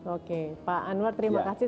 oke pak anwar terima kasih